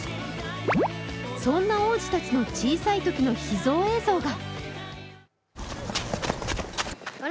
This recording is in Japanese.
そんな王子たちの小さいときの秘蔵映像が。